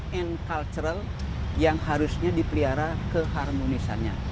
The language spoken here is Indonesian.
kondisi ini juga kultural yang harusnya dipelihara keharmonisannya